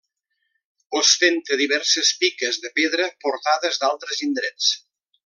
Ostenta diverses piques de pedra portades d'altres indrets.